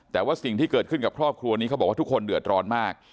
แต่ว่าสิ่งที่เกิดขึ้นกับครอบครัวนี้เขาบอกว่าทุกคนเดือดร้อนมาก